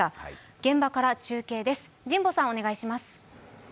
現場から中継です。